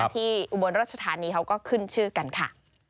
ที่อุบรณรัชฐานนี้เขาก็ขึ้นชื่อกันค่ะ